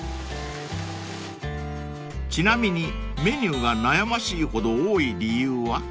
［ちなみにメニューが悩ましいほど多い理由は？］